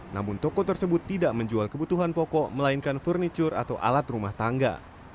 namun toko tersebut tidak menjual kebutuhan pokok melainkan furniture atau alat rumah tangga